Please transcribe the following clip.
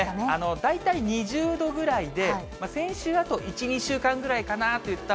大体２０度ぐらいで、先週、あと１、２週間ぐらいかなと言った。